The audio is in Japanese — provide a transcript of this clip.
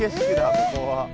ここは。